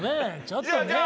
ちょっとね。